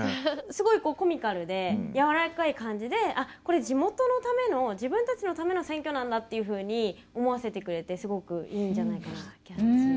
すごいこうコミカルで柔らかい感じでこれ地元のための自分たちのための選挙なんだっていうふうに思わせてくれてすごくいいんじゃないかなと。